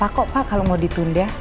apa kalau mau ditunda